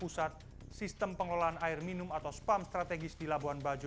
pusat sistem pengelolaan air minum atau spam strategis di labuan bajo